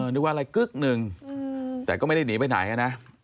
นึกว่าอะไรกึ๊กหนึ่งแต่ก็ไม่ได้หนีไปไหนนะ